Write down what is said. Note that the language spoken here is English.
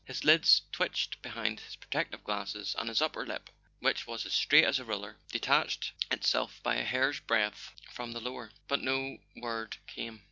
His lids twitched behind his protective glasses, and his upper lip, which was as straight as a ruler, detached itself by a hair's breadth from the lower; but no word came.